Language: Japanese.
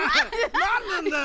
何なんだよ。